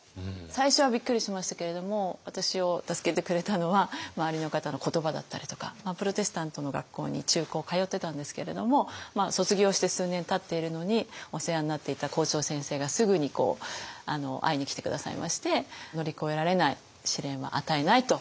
最初はびっくりしましたけれども私を助けてくれたのは周りの方の言葉だったりとかプロテスタントの学校に中高通ってたんですけれども卒業して数年たっているのにお世話になっていた校長先生がすぐに会いに来て下さいまして「乗り越えられない試練は与えない」と。